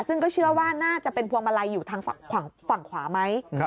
ซึ่งก็เชื่อว่าน่าจะเป็นพวงมาลัยอยู่ทางฝั่งขวาไหม